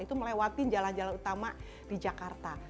itu melewati jalan jalan utama di jakarta